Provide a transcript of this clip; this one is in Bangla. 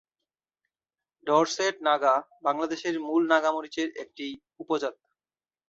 ডরসেট নাগা বাংলাদেশের মূল নাগা মরিচের একটি উপজাত।